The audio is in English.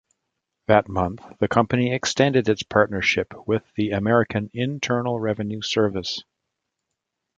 That month the company extended its partnership with the American Internal Revenue Service.